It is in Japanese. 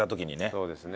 そうですね。